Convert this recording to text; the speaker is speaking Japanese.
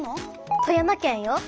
富山県よ。